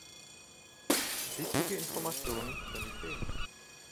Wichtige Informationen können fehlen.